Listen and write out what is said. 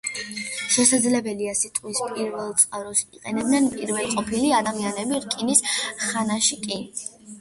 შესაძლებელია სიტყვის პირველწყაროს იყენებდნენ პირველყოფილი ადამიანები რკინის ხანაშიც კი.